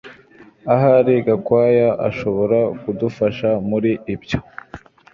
Ahari Gakwaya ashobora kudufasha muri ibyo